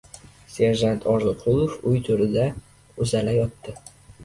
Serjant Orziqulov uy to‘rida uzala yotdi.